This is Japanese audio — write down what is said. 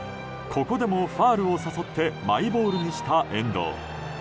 ここでもファウルを誘ってマイボールにした遠藤。